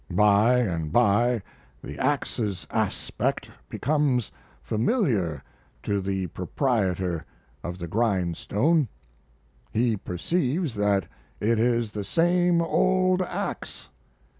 By and by the ax's aspect becomes familiar to the proprietor of the grindstone. He perceives that it is the same old ax.